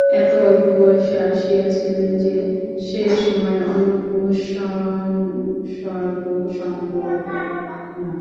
এত অল্প বয়সে আসিয়াছিলেন যে, সে সময়ে অন্য পুরুষ-সংসর্গ সম্ভবে না।